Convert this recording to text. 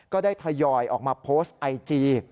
ได้ทยอยออกมาโพสต์ไอจี